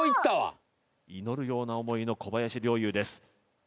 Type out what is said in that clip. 祈るような思いの小林陵侑です